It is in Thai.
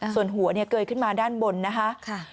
ส่วนหัวเกยขึ้นมาด้านบนนะคะ